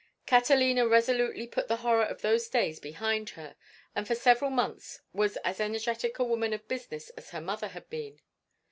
Catalina resolutely put the horror of those days behind her, and for several months was as energetic a woman of business as her mother had been.